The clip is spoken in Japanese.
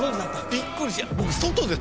びっくりした僕。